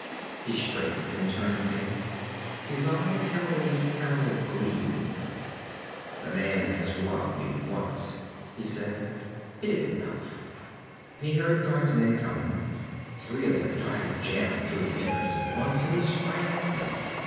He straightened and turned again. His eyes held a feral glint. "The man has robbed me once," he said. "It is enough." He heard Thord's men coming. Three of them tried to jam through the entrance at once, and he sprang at them.